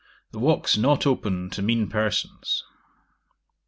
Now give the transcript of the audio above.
The walks not open to mean persons.